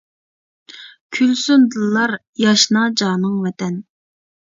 كۈلسۇن دىللار، ياشنا جانىڭ ۋەتەن!